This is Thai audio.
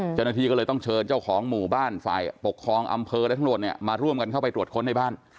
เจ้าหน้าที่ก็เลยต้องเชิญเจ้าของหมู่บ้านฝ่ายปกครองอำเภอและทั้งหมดมาร่วมกันเข้าไปตรวจค้นในบ้าน